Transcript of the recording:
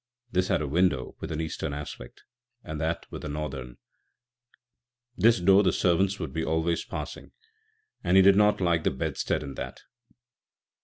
This had a window with an eastern aspect and that with a northern; this door the servants would be always passing, and he did not like the bedstead in that.